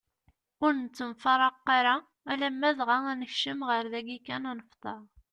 Ur nettemfraq ara alamm dɣa ad nekcem ɣer dagi kan ad nefteṛ.